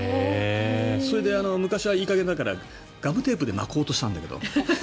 それで昔はいい加減だからガムテープで巻こうとしたんだけど。